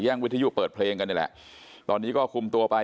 วิทยุเปิดเพลงกันนี่แหละตอนนี้ก็คุมตัวไป